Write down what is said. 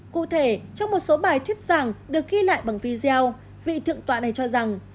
cụ thể trong một số bài thuyết giảng được ghi lại bằng video vị thượng tọa này cho rằng